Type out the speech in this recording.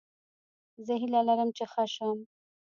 زه هیله لرم چې ښه شم